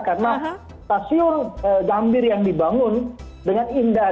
karena stasiun gambir yang dibangun dengan indah